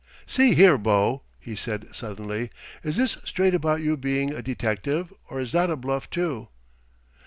"See here, bo," he said suddenly, "is this straight about you being a detective, or is that a bluff, too?"